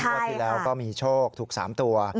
งวดที่แล้วก็มีโชคถูก๓ตัว